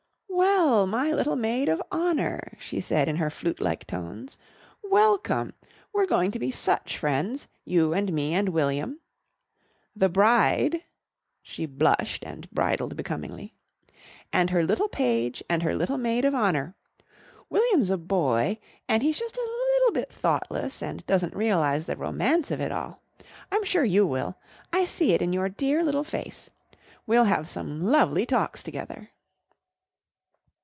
"Well, my little maid of honour?" she said in her flute like tones. "Welcome! We're going to be such friends you and me and William the bride" (she blushed and bridled becomingly) "and her little page and her little maid of honour. William's a boy, and he's just a leetle bit thoughtless and doesn't realise the romance of it all. I'm sure you will. I see it in your dear little face. We'll have some lovely talks together."